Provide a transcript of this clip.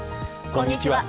こんにちは。